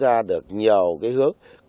đưa ra được nhiều cái hước